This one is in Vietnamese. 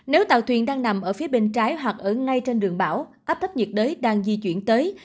nếu tàu thuyền đang nằm ở phía bên trái hoặc ở ngay trên đường bão áp thấp nhiệt đới đang di chuyển tới